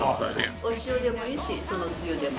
お塩でもいいしそのつゆでも。